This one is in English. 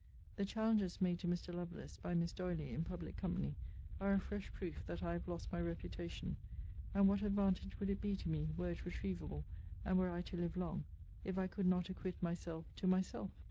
The challenges made to Mr. Lovelace, by Miss D'Oily, in public company, are a fresh proof that I have lost my reputation: and what advantage would it be to me, were it retrievable, and were I to live long, if I could not acquit myself to myself?